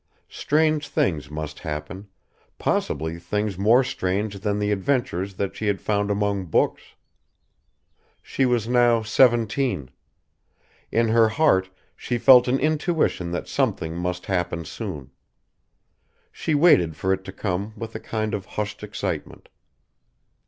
Strange things must happen, possibly things more strange than the adventures that she had found among books. She was now seventeen. In her heart she felt an intuition that something must happen soon. She waited for it to come with a kind of hushed excitement.